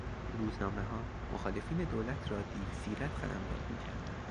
روزنامهها مخالفین دولت را دیو سیرت قلمداد میکردند.